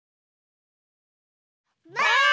ばあっ！